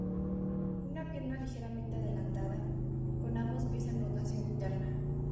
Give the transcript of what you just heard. Una pierna ligeramente adelantada, con ambos pies en rotación interna.